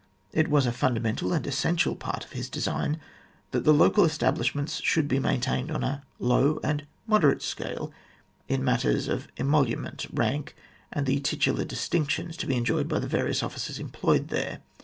It was a fundamental and essential part of his design that the local establishments should be maintained on a low and moderate scale in the matters of emolument, rank, and the titular distinctions to be enjoyed by the various officers employed there.